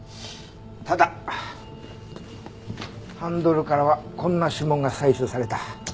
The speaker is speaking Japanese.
ただハンドルからはこんな指紋が採取された。